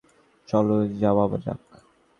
চলো, যাওয়া যাক!